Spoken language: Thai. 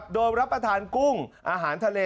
โดยรับประทานกุ้งอาหารทะเล